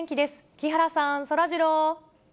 木原さん、そらジロー。